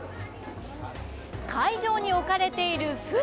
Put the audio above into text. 会場に置かれている船。